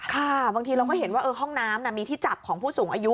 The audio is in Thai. บางทีเราก็เห็นว่าห้องน้ำมีที่จับของผู้สูงอายุ